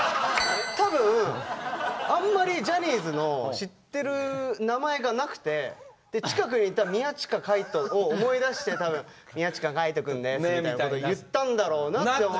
多分あんまりジャニーズの知ってる名前がなくて近くにいた宮近海斗を思い出して多分「宮近海斗くんです」みたいなことを言ったんだろうなって思って。